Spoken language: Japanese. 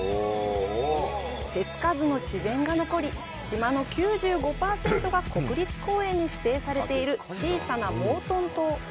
手つかずの自然が残り島の９５％が国立公園に指定されている小さなモートン島。